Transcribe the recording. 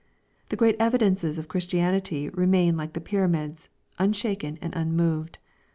The great evidences of Christianity remain like the Pyramids, unshaken and unmoved.